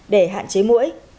để hạn chế mũi